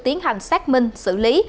tiến hành xác minh xử lý